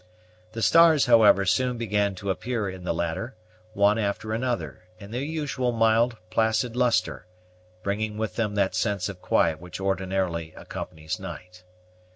The stars, however, soon began to appear in the latter, one after another, in their usual mild, placid lustre, bringing with them that sense of quiet which ordinarily accompanies night.